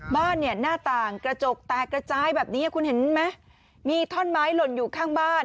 บ้านเนี่ยหน้าต่างกระจกแตกกระจายแบบนี้คุณเห็นไหมมีท่อนไม้หล่นอยู่ข้างบ้าน